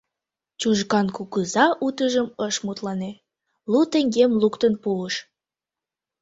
Чужган кугыза утыжым ыш мутлане, лу теҥгем луктын пуыш.